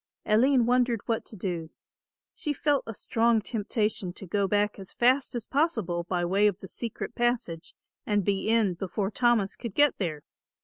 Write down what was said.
Aline wondered what to do. She felt a strong temptation to go back as fast as possible by way of the secret passage and be in before Thomas could get there.